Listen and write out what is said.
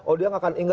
oh dia gak akan inget